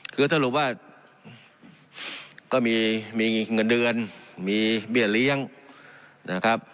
คือสรุปว่าก็มีเงินเดือนมีเบี้ยเลี้ยงนะครับ